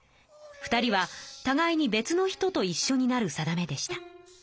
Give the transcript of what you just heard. ２人はたがいに別の人といっしょになる定めでした。